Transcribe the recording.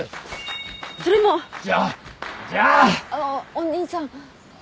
お兄さん。